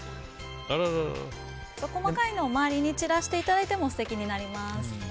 細かいのを周りに散らしていただいても素敵になります。